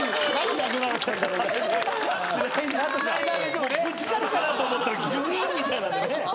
もうぶつかるかなと思ったらギュインみたいなね。